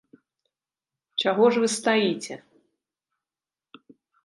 Чаго ж вы стаіце?